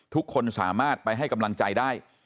ทุกคนสามารถไปให้กำลังใจได้